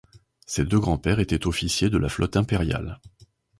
Ses deux grands-pères étaient officiers de la flotte impériale.